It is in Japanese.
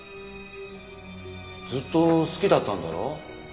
ずっと好きだったんだろ？